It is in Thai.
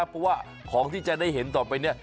เพราะว่าของที่จะได้เห็นต่อไปเนี่ย